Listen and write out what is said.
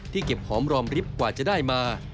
เก็บหอมรอมริบกว่าจะได้มา